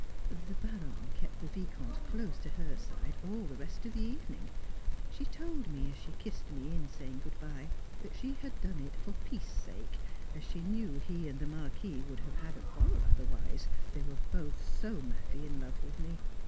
The Baronne kept the Vicomte close to her side all the rest of the evening she told me, as she kissed me in saying good bye, that she had done it for peace sake, as she knew he and the Marquis would have had a quarrel otherwise, they were both so madly in love with me.